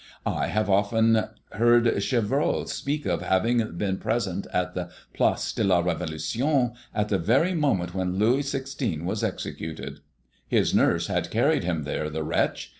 I have often heard Chevreul speak of having been present on the Place de la Révolution at the very moment when Louis XVI. was executed. His nurse had carried him there, the wretch!